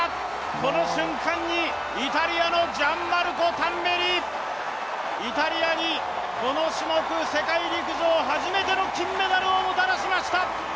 この瞬間に、イタリアのジャンマルコ・タンベリ、イタリアにこの種目、世界陸上初めての金メダルをもたらしました。